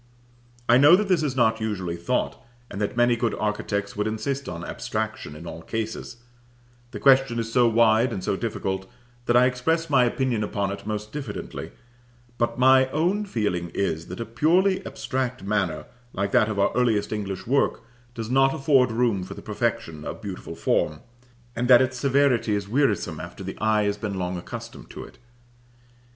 I know that this is not usually thought, and that many good architects would insist on abstraction in all cases: the question is so wide and so difficult that I express my opinion upon it most diffidently; but my own feeling is, that a purely abstract manner, like that of our earliest English work, does not afford room for the perfection of beautiful form, and that its severity is wearisome after the eye has been long accustomed to it.